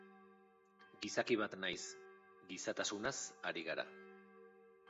Gizaki bat naiz, gizatasunaz ari gara.